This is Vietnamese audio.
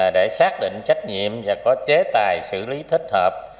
để xác định trách nhiệm và có chế tài xử lý thích hợp